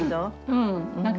うん。